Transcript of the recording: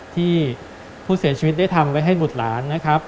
ที่ผู้เสียชีวิตได้ทำไว้ให้บุตรหลานนะครับ